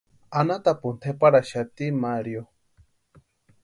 Anhatapuni tʼeparaxati Mario.